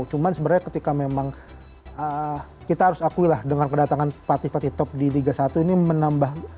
karena ketika memang kita harus akui lah dengan kedatangan partai partai top di liga satu ini menambah